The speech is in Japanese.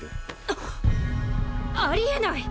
はっ！ありえない！